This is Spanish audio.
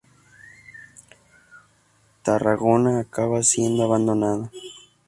Tarragona acaba siendo abandonada.